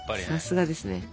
さすがですね。